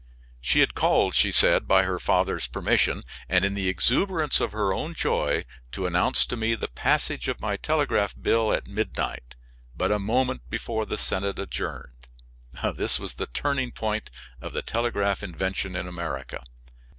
She had called, she said, by her father's permission, and in the exuberance of her own joy, to announce to me the passage of my telegraph bill at midnight, but a moment before the Senate adjourned. This was the turning point of the telegraph invention in America.